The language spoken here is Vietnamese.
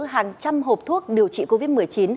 hàng trăm hộp thuốc điều trị covid một mươi chín